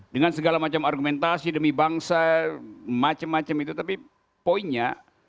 dengan segala macam argumentasi demi bangsa macam macam itu tapi poinnya